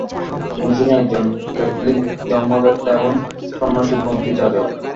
তিনি ছিলেন একজন ক্যাথলিক ধর্মবেত্তা এবং সন্নাসীপন্থি যাজক।